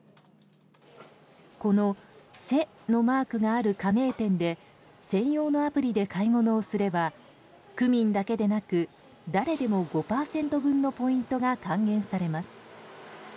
この「せ」のマークがある加盟店で専用のアプリで買い物をすれば区民だけでなく誰でも５％分のポイントが還元されます。